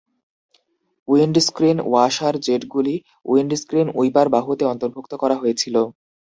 Windscreen washer জেটগুলি windscreen wiper বাহুতে অন্তর্ভুক্ত করা হয়েছিল।